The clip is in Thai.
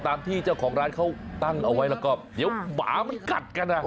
ตามที่เจ้าของร้านเขาตั้งเอาไว้แล้วก็เดี๋ยวหมามันกัดกันอ่ะ